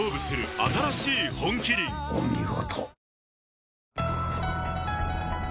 お見事。